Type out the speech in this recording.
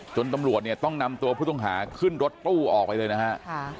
ตำรวจเนี่ยต้องนำตัวผู้ต้องหาขึ้นรถตู้ออกไปเลยนะฮะ